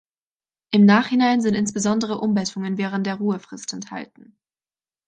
Im Nachhinein sind insbesondere Umbettungen während der Ruhefrist enthalten.